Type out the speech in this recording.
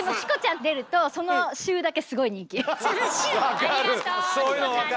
でもありがとうチコちゃん。